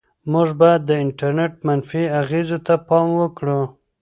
موږ باید د انټرنيټ منفي اغېزو ته پام وکړو.